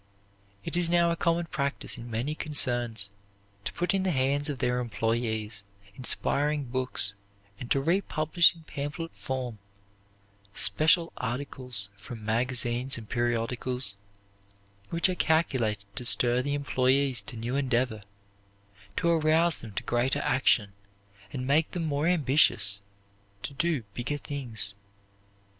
It is now a common practise in many concerns to put in the hands of their employees inspiring books and to republish in pamphlet form special articles from magazines and periodicals which are calculated to stir the employees to new endeavor, to arouse them to greater action and make them more ambitious to do bigger things.